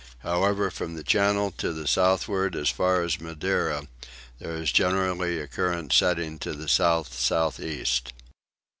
However from the channel to the southward as far as Madeira there is generally a current setting to the south south east.